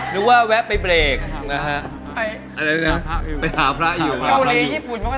หรือว่าแวะไปเบรกไปหาพระอยู่ไปหาพระอยู่เกาหลีญี่ปุ่นก็